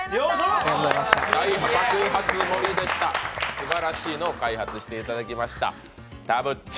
すばらしいのを開発していただきました。